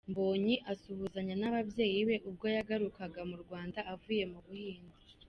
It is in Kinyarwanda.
Mbonyi asuhuzanya nababyeyi be ubwo yagarukaga mu Rwanda avuye mu Buhinde.